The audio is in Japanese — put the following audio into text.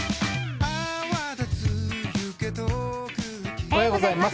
おはようございます。